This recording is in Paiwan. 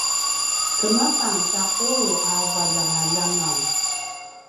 kemepang ta qulu a veljangaljangaw